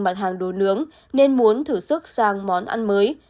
mặt hàng đồ nướng nên muốn thử sức sang món ăn mới